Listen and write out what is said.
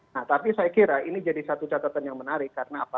nah tapi saya kira ini jadi satu catatan yang menarik karena apa